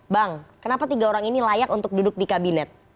bang kenapa tiga orang ini layak untuk duduk di kabinet